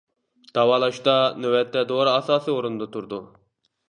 داۋالاشتا نۆۋەتتە دورا ئاساسى ئورۇندا تۇرىدۇ.